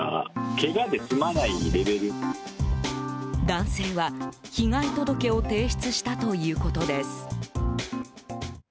男性は被害届を提出したということです。